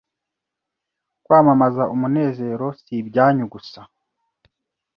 Kwamamaza umunezero si ibyanyu gusa